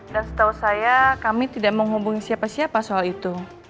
dan setahu saya kami tidak mau hubungi siapa siapa soal itu